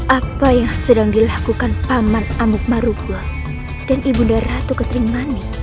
apa yang sedang dilakukan paman amuk marubo dan ibu daratu ketrimani